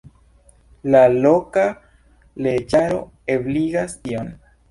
La loka leĝaro ebligas tion.